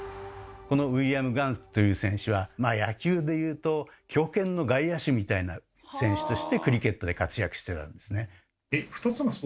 このウィリアム・ガンという選手は野球でいうと強肩の外野手みたいな選手としてクリケットで活躍してたんですね。